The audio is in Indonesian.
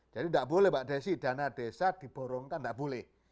jadi enggak boleh mbak desi dana desa diborongkan enggak boleh